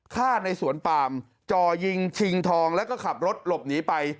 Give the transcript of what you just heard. ฆ่าในสวนปามจ่อยิงชิงทองแล้วก็ขับรถหลบหนีไป